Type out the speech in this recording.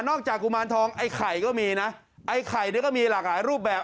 จากกุมารทองไอ้ไข่ก็มีนะไอ้ไข่เนี่ยก็มีหลากหลายรูปแบบ